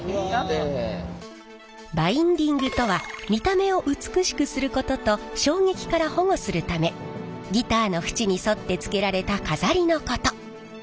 バインディングとは見た目を美しくすることと衝撃から保護するためギターの縁に沿って付けられた飾りのこと。